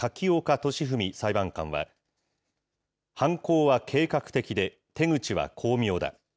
俊文裁判官は、犯行は計画的で、手口は巧妙だ。